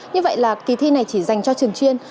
như vậy là kỳ thi này chỉ dành cho trường chuyên